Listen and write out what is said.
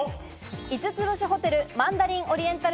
５つ星、ホテルマンダリンオリエンタル